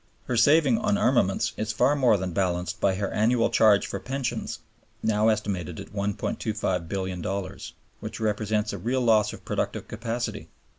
Her saving on armaments is far more than balanced by her annual charge for pensions now estimated at $1,250,000,000, which represents a real loss of productive capacity.